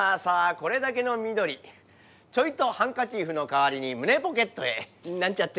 これだけの緑ちょいとハンカチーフのかわりに胸ポケットへなんちゃって。